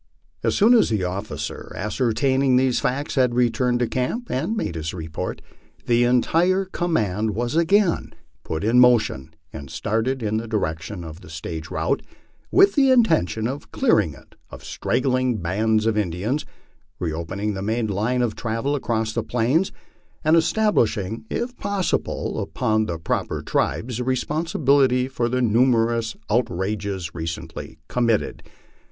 As soon as the officer ascertaining these facts had returned to camp and aiade his report, the entire command was again put in motion and started in the direction of the stage route, with the intention of clearing it of straggling bands of Indians, reopening the main line of travel across the Plains, and es tablishing if possible upon the proper tribes the responsibility for the numerous outrages recently committed.